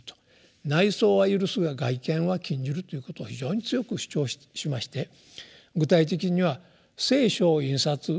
「内想は許すが外顕は禁じる」ということを非常に強く主張しまして具体的には「聖書」を印刷するということは禁止する。